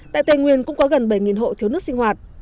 tại tây nguyên cũng có gần bảy hộ thiếu nước sinh hoạt